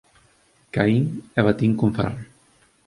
Caín e batín cun farol